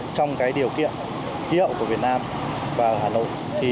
trong cái điều kiện kỷ hậu của việt nam và hà nội